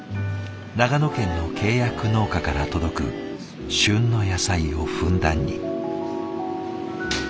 長野県の契約農家から届く旬の野菜をふんだんに。